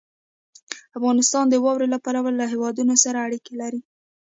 افغانستان د واورې له پلوه له هېوادونو سره اړیکې لري.